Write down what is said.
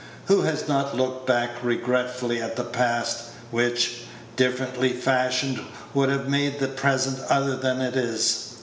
Who has not looked back regretfully at the past, which, differently fashioned, would have made the present other than it is?